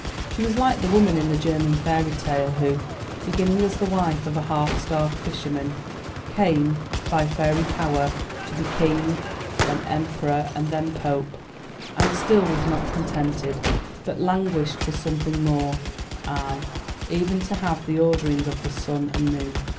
She was like the woman in the German fairy tale, who, beginning as the wife of a half starved fisherman, came, by fairy power, to be king, and then emperor, and then pope: and still was not contented, but languished for something more, aye, even to have the ordering of the sun and moon.